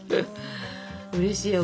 うれしいよ。